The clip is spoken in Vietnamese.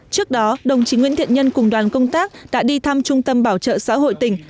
trước đó đồng chí nguyễn thiện nhân cùng đoàn công tác đã đi thăm trung tâm bảo trợ xã hội tỉnh